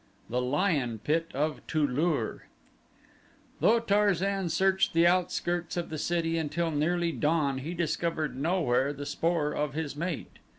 18 The Lion Pit of Tu lur Though Tarzan searched the outskirts of the city until nearly dawn he discovered nowhere the spoor of his mate.